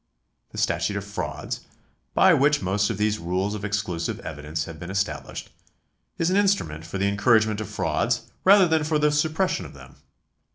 The Statute of Frauds, by which most of these rules of exclusive evidence have been established, is an instrument for the encouragement of frauds rather than for 448 THE LAW OF PROCEDURE 174§ the suppression of them.